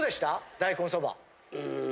大根そば。